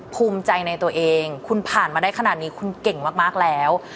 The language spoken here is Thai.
ภูมิใจในตัวเองคุณผ่านมาได้ขนาดนี้คุณเก่งมากแล้ว